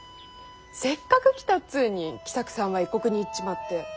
せっかく来たっつんに喜作さんは異国に行っちまって。